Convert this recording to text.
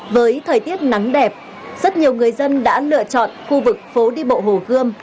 với thời tiết nắng đẹp rất nhiều người dân đã lựa chọn khu vực phố đi bộ hồ gươm